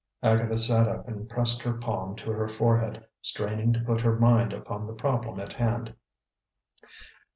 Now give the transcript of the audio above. Agatha sat up and pressed her palm to her forehead, straining to put her mind upon the problem at hand.